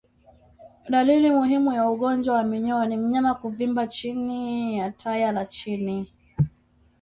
Dalili muhimu ya ugonjwa wa minyoo ni mnyama kuvimba chini ya taya la chini